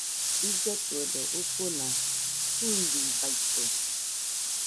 Illetuedo ucuna fɨirɨbaite.